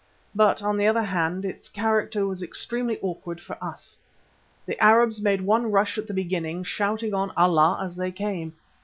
But, on the other hand, its character was extremely awkward for us. The Arabs made one rush at the beginning, shouting on Allah as they came.